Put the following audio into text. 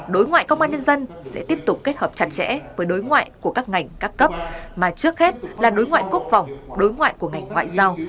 đối ngoại công an nhân dân sẽ tiếp tục kết hợp chặt chẽ với đối ngoại của các ngành các cấp mà trước hết là đối ngoại quốc phòng đối ngoại của ngành ngoại giao